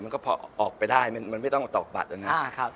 มันก็ออกไปได้มันไม่ต้องตอบบัตรนะ